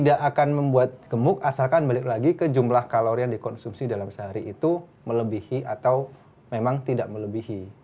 tidak akan membuat gemuk asalkan balik lagi ke jumlah kalori yang dikonsumsi dalam sehari itu melebihi atau memang tidak melebihi